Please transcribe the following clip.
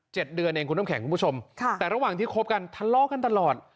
เดือนเองคุณน้ำแข็งคุณผู้ชมค่ะแต่ระหว่างที่คบกันทะเลาะกันตลอด